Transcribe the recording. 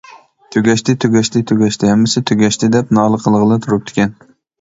تۈگەشتى، تۈگەشتى، تۈگەشتى، ھەممىسى تۈگەشتى، دەپ نالە قىلغىلى تۇرۇپتىكەن.